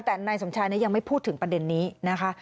แต่นายสมชายยังไม่พูดถึงประเด็นนี้นะคะ